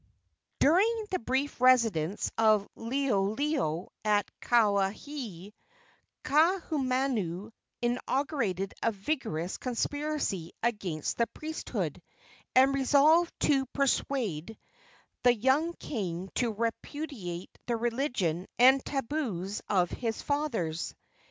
During the brief residence of Liholiho at Kawaihae, Kaahumanu inaugurated a vigorous conspiracy against the priesthood, and resolved to persuade the young king to repudiate the religion and tabus of his fathers.